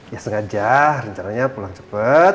ya sengaja rencananya pulang cepat